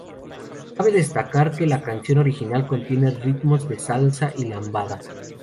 Cabe destacar que la canción original contiene ritmos de Salsa y Lambada.